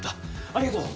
ありがとう！